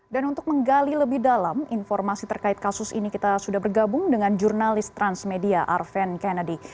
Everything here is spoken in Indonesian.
dan untuk menggali lebih dalam informasi terkait kasus ini kita sudah bergabung dengan jurnalis transmedia arven kennedy